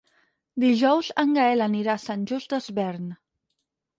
Dijous en Gaël anirà a Sant Just Desvern.